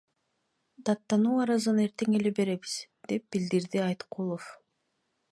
Даттануу арызын эртең эле беребиз, – деп билдирди Айткулов.